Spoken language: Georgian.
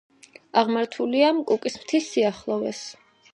აღმართულია კუკის მთის სიახლოვეს.